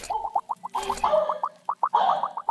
علمي سیمینار بې ارزوني نه تایید کیږي.